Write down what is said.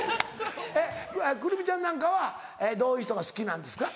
えっ来泉ちゃんなんかはどういう人が好きなんですか？